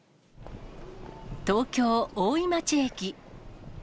東京・大井町駅。